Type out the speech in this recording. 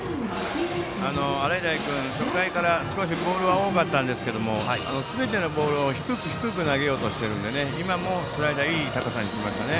洗平君は初回から少しボールが多かったんですがすべてのボールを低く投げようとしているので、今もスライダーがいい高さに行きましたね。